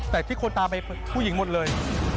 แต่ที่คนตามไปผู้หญิงหมดเลย